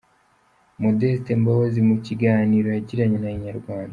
Modeste Mbabazi mu kiganiro yagiranye na Inyarwanda.